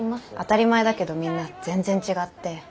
当たり前だけどみんな全然違って。